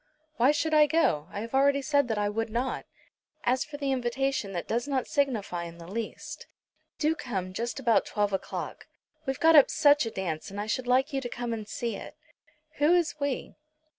"Why should I go? I have already said that I would not." "As for the invitation that does not signify in the least. Do come just about twelve o'clock. We've got up such a dance, and I should like you to come and see it." "Who is we?"